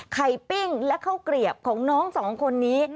ปิ้งและข้าวเกลียบของน้องสองคนนี้